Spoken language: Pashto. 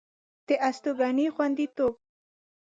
د استوګنې خوندیتوب